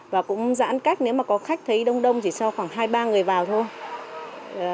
và cũng giãn cách nếu có khách thấy đông đông chỉ cho khoảng hai ba người vào thôi